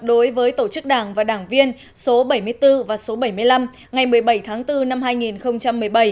đối với tổ chức đảng và đảng viên số bảy mươi bốn và số bảy mươi năm ngày một mươi bảy tháng bốn năm hai nghìn một mươi bảy